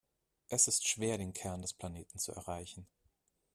Es ist schwer, den Kern des Planeten zu erreichen.